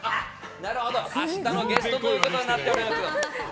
なるほど、明日のゲストということになっております。